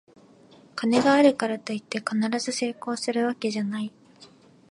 金があるからといって必ず成功するわけじゃない